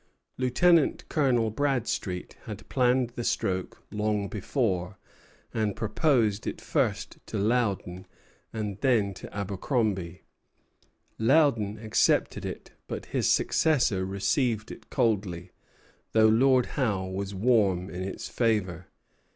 Lieutenant Colonel Bradstreet had planned the stroke long before, and proposed it first to Loudon, and then to Abercromby. Loudon accepted it; but his successor received it coldly, though Lord Howe was warm in its favor.